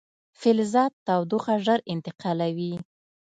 فلزات تودوخه ژر انتقالوي.